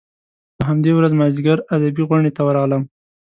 په همدې ورځ مازیګر ادبي غونډې ته ورغلم.